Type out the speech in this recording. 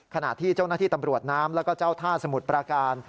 ขณะที่เจ้าหน้าที่ตำรวจน้ำแล้วก็เจ้าท่าสมุทรประการ